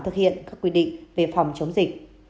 thực hiện các quy định về phòng chống dịch